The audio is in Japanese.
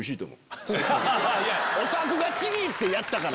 おたくがちぎってやったから。